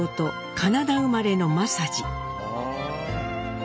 カナダ生まれの正二。